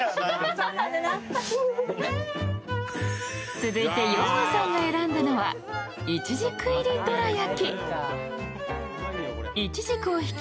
続いてヨンアさんが選んだのは、いちじく入りどら焼き。